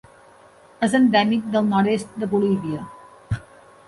És endèmic del nord-est de Bolívia.